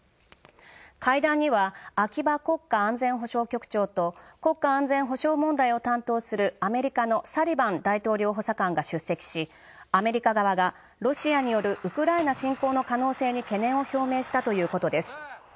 会談には秋葉国家安全保障局長と国家安全保障問題を担当するアメリカのサリバン大統領補佐官が出席しアメリカ側がロシアによるウクライナ侵攻を懸念を表明したとのことです。